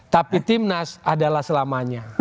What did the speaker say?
tapi timnas adalah selamanya